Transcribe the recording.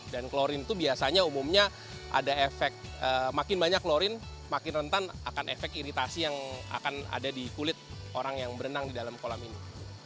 dan klorin itu biasanya umumnya ada efek makin banyak klorin makin rentan akan efek iritasi yang akan ada di kulit orang yang berenang di dalam kolam ini